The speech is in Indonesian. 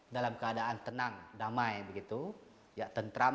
dalam keadaan tenang damai tentram